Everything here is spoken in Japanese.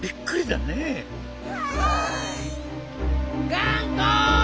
がんこ！